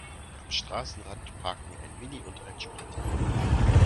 Am Straßenrand parken ein Mini und ein Sprinter.